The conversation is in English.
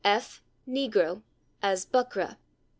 f. Negro, as /buckra